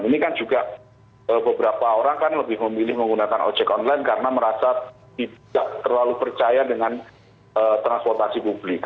ini kan juga beberapa orang kan lebih memilih menggunakan ojek online karena merasa tidak terlalu percaya dengan transportasi publik